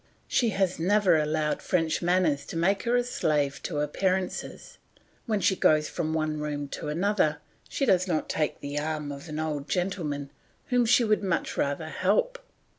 She has never allowed French manners to make her a slave to appearances; when she goes from one room to another she does not take the arm of an old gentleman, whom she would much rather help.